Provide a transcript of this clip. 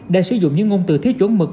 đã sử dụng những ngôn từ thiếu chuẩn mực